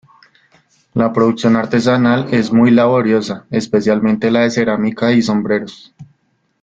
La producción artesanal es muy laboriosa, especialmente la de cerámica y sombreros.